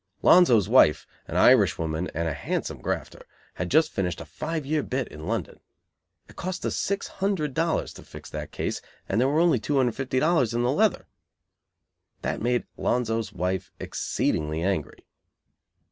Lonzo's wife, an Irishwoman and a handsome grafter, had just finished a five year bit in London. It cost us six hundred dollars to "fix" that case, and there was only two hundred and fifty dollars in the leather. That made Lonzo's wife exceedingly angry.